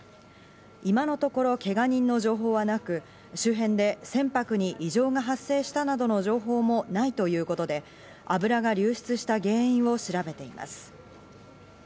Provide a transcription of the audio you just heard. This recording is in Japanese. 今のところけが人の情報はなく、周辺で船舶に異常が発生したなどの情報もないということで、油が流出した原因を調べています。